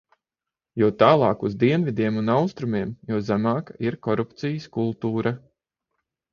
Jo tālāk uz dienvidiem un austrumiem, jo zemāka ir korupcijas kultūra.